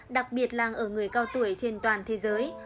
đặc biệt là ở người cao tuổi trên toàn thế giới